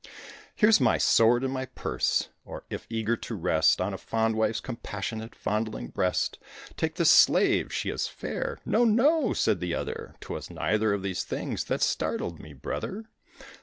Here's my sword and my purse; or, if eager to rest On a fond wife's compassionate, fondling breast, Take this slave: she is fair." "No, no," said the other, "'Twas neither of these things that startled me, brother.